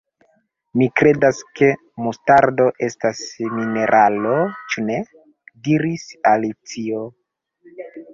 "Mi kredas ke mustardo estas mineralo, ĉu ne?" diris Alicio.